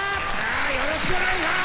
よろしくお願いします。